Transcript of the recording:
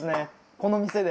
この店で。